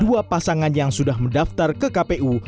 dua pasangan yang sudah mendaftar ke kpu